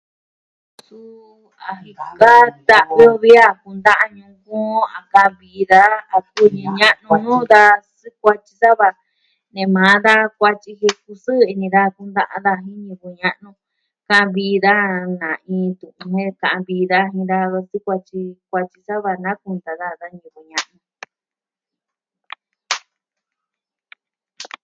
Suu a jin ka tan uvi a kun daa ñuu kuu a ka'vi daa a ñivɨ ña'nu nuu da sukuatyi sava nee maa da kuatyi jin kusɨɨ ini daa kundaa daa jin ñivɨ ña'nu. Ka'vi daa na iin tutu nee ka'vi daa jin da sukuatyi ta'an tyi sava na kundaa daa jin da ñivɨ ña'nu.